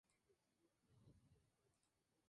El partido tiene acuerdos con Zamora Unida.